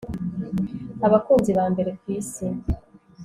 Abakunzi ba mbere kwisi